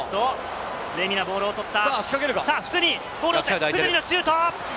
レミナ、ボールを取った！